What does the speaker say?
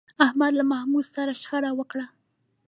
احمد له محمود سره شخړه وکړه.